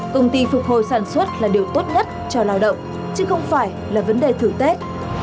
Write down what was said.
công ty phục hồi sản xuất là điều tốt nhất cho lao động chứ không phải là vấn đề thử tết